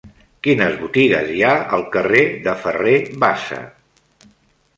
Quines botigues hi ha al carrer de Ferrer Bassa?